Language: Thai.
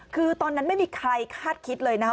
คือตอนนั้นไม่มีใครคาดคิดเลยนะครับ